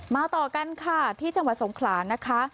ต่อกันค่ะที่จังหวัดสงขลานะคะ